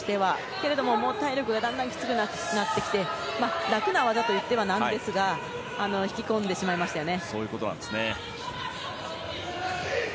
けれども、体力がだんだんきつくなってきて楽な技といっては何ですが引き込んでしまいましたよね。